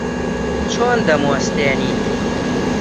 چۆن دەموەستێنیت؟